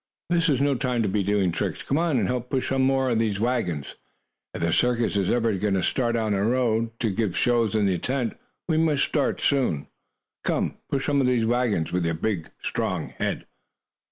"This is no time to be doing tricks. Come and help push some more of these wagons. If the circus is ever to start out on the road, to give shows in the tent, we must start soon. Come, push some of these wagons, with your big, strong head."